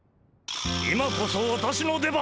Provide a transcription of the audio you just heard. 今こそ私の出番！